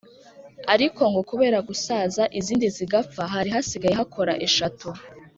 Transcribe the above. ariko ngo kubera gusaza izindi zigapfa hari hasigaye hakora eshatu